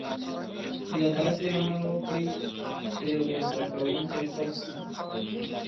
يا داسي عمل وکړي، چي غصه کوونکی خوښ سي.